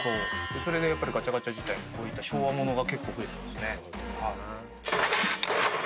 それでやっぱりガチャガチャ自体もこういった昭和物が結構増えてますね。